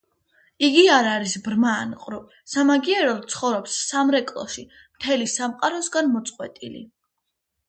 იგი არ არის ბრმა ან ყრუ, სამაგიეროდ ცხოვრობს სამრეკლოში, მთელი სამყაროსგან მოწყვეტილი.